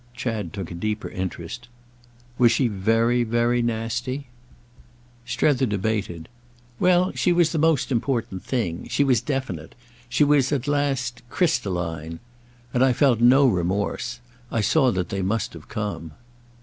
Chad took a deeper interest. "Was she very very nasty?" Strether debated. "Well, she was the most important thing—she was definite. She was—at last—crystalline. And I felt no remorse. I saw that they must have come."